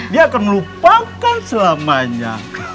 dia akan melupakan selamanya